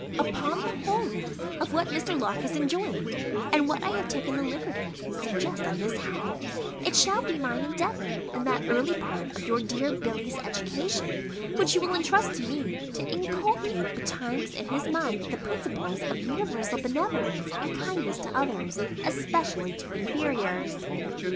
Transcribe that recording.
Upon the whole, then, of what Mr. Locke has enjoined, and what I have taken the liberty to suggest on this head, it shall be my endeavour, in that early part of your dear Billy's education, which you will intrust to me, to inculcate betimes in his mind the principles of universal benevolence and kindness to others, especially to inferiors.